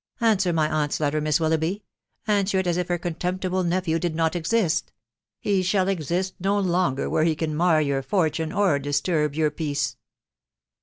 ... Answer my aunt's letter, Miss Willoughby •••• answer it as if her contemptible nephew did not exist .... he shall exist no longer where he can mar your fortune, or disturb your peace